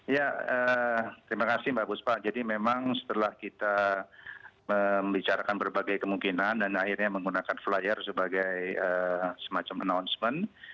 ya terima kasih mbak buspa jadi memang setelah kita membicarakan berbagai kemungkinan dan akhirnya menggunakan flyer sebagai semacam announcement